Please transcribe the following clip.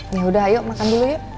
nah udah ayo makan dulu yuk